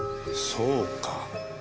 そうか。